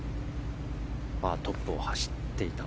トップを走っていた